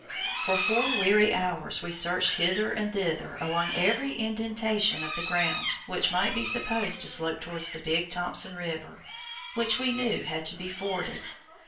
For four weary hours we searched hither and thither along every indentation of the ground which might be supposed to slope towards the Big Thompson River, which we knew had to be forded.